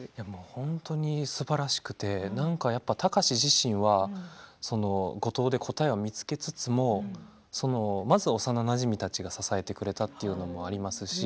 本当にすばらしくてなんかやっぱ貴司自身は五島で答えを見つけつつもまずは幼なじみたちが支えてくれたっていうのもありますし